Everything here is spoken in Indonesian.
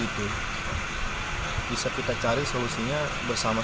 bisa kita cari solusinya bersama